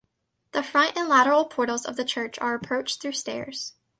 The front and lateral portals of the church are approached through stairs.